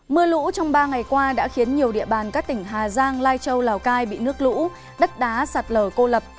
mưa lũ trong ba ngày qua đã khiến nhiều địa bàn các tỉnh hà giang lai châu lào cai bị nước lũ đất đá sạt lở cô lập